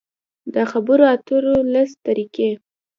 د خبرو اترو لس طریقې: